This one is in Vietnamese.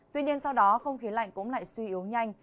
tuy nhiên sau đó không khí lạnh cũng lại suy yếu nhanh